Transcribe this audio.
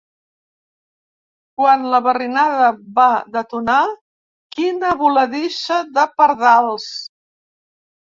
Quan la barrinada va detonar, quina voladissa de pardals!